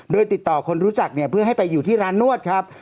โดยติดต่อคนรู้จักเนี่ยเพื่อให้ไปอยู่ที่ร้านนวดครับ